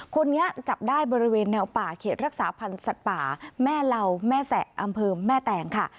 คนนี้จับได้บริเวณแนวป่าเขตรักษาพันธ์สัตว์ป่าแม่เหล่าแม่แสะอำเภอแม่แตงค่ะ